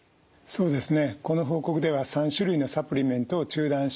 そうですね。